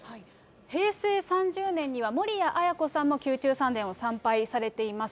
平成３０年には守谷絢子さんも宮中三殿を参拝されています。